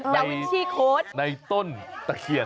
ดาวินชี่โค้ดในต้นตะเคียน